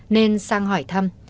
nên sang hỏi thăm